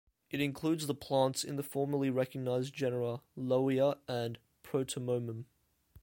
It includes the plants in the formerly recognised genera "Lowia" and "Protamomum".